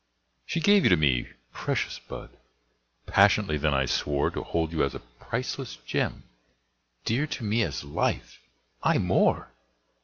She gave you to me. Precious bud! Passionately then I swore To hold you as a priceless gem, Dear to me as life aye more!